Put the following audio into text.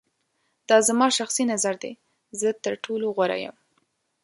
دا زما شخصی نظر دی. زه تر ټولو غوره یم.